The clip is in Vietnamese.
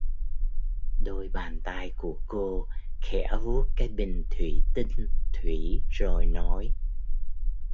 Đôi Bàn Tay của Cô khẽ vuốt cái bình thủy tinh thủy rồi nói